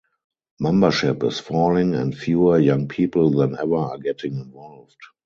Membership is falling, and fewer young people than ever are getting involved.